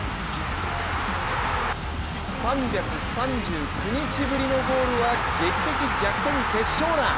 ３３９日ぶりのゴールは劇的逆転決勝弾。